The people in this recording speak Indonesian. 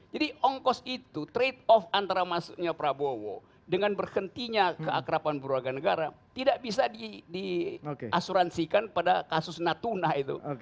jadi ongkos itu trade off antara masuknya prabowo dengan berhentinya keakrapan berwarga negara tidak bisa diasuransikan pada kasus natuna itu